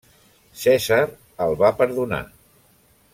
Cèsar el va perdonar.